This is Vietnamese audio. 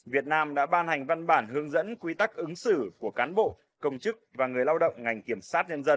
việt nam đã ban hành văn bản hướng dẫn quy tắc ứng xử của cán bộ công chức và người lao động ngành kiểm sát nhân dân